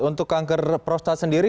untuk kanker prostat sendiri